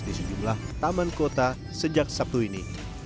di sejumlah taman kota sejak sabtu ini